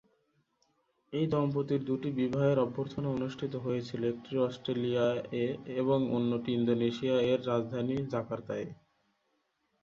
এই দম্পতির দুটি বিবাহের অভ্যর্থনা অনুষ্ঠিত হয়েছিল, একটি অস্ট্রেলিয়া এ এবং অন্যটি ইন্দোনেশিয়া এর রাজধানী জাকার্তা এ।